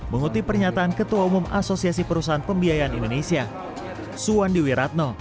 mengutip pernyataan ketua umum asosiasi perusahaan pembiayaan indonesia suwandi wiratno